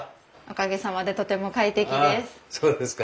おかげさまでとても快適です。